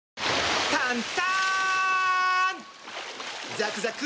ザクザク！